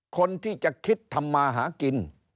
คนที่จะคิดทำมาหากิน